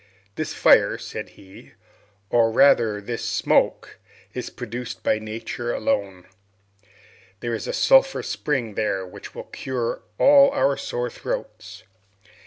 "This fire," said he, "or rather, this smoke is produced by nature alone. There is a sulphur spring there, which will cure all our sore throats."